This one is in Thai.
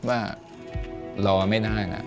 หนูอยากให้พ่อกับแม่หายเหนื่อยครับ